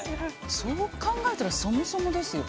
そう考えたらそもそもですよ。